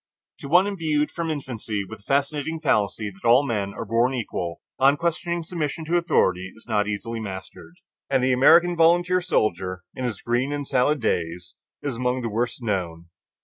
To one imbued from infancy with the fascinating fallacy that all men are born equal, unquestioning submission to authority is not easily mastered, and the American volunteer soldier in his "green and salad days" is among the worst known.